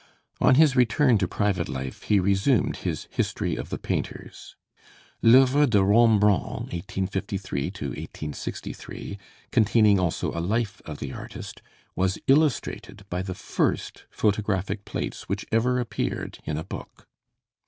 On his return to private life he resumed his 'History of the Painters.' 'L'Oeuvres de Rembrandt' (1853 to 1863), containing also a life of the artist, was illustrated by the first photographic plates which ever appeared in a book.